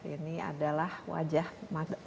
ini adalah wajah anda